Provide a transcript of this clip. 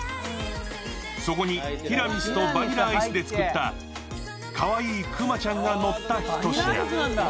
そこにティラミスとバニラアイスで作ったかわいいくまちゃんがのった一品。